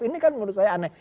ini kan menurut saya aneh